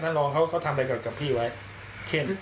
ไม่ได้เขาทำอะไรออกกับพี่ไว้